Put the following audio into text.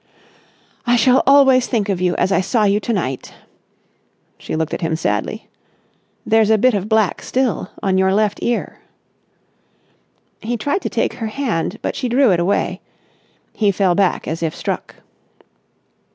"I shall always think of you as I saw you to night." She looked at him sadly. "There's a bit of black still on your left ear." He tried to take her hand. But she drew it away. He fell back as if struck.